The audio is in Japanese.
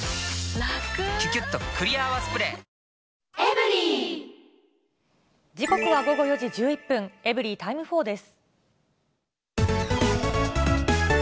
「ビオレ」時刻は午後４時１１分、エブリィタイム４です。